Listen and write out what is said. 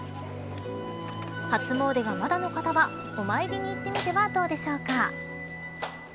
初詣が、まだの方はお参りに行ってみてはどうでしょうか。